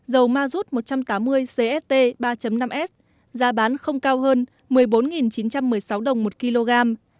dầu mazut một trăm tám mươi cst ba năm s giá bán không cao hơn một mươi bốn chín trăm một mươi sáu đồng một kg